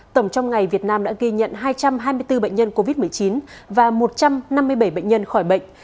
tổng trong ngày việt nam đã ghi nhận hai trăm hai mươi bốn bệnh nhân covid một mươi chín và một trăm năm mươi bảy bệnh nhân khỏi bệnh